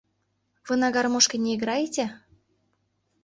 Вы на гармошке не играете?